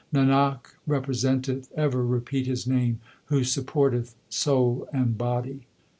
Nanak represent eth ever repeat His name who support eth soul and body.